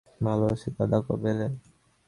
ভালো আছি দাদা, কবে এলে?